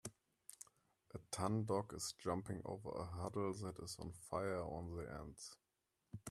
A tan dog is jumping over a hurdle that is on fire on the ends